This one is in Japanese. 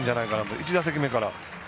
１打席目から。